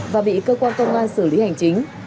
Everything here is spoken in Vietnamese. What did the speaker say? và bị cơ quan công an xử lý hành chính